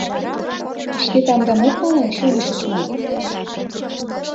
Шке тамгам ом пале, шонышыч мо?